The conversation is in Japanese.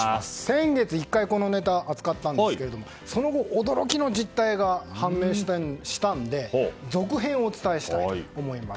先月、１回このネタを扱ったんですけどその後驚きの実態が判明したので続編をお伝えしたいと思います。